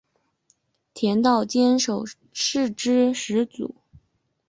田道间守是之始祖。